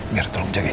mir tolong jagain